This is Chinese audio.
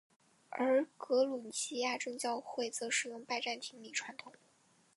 而格鲁吉亚正教会则使用拜占庭礼传统。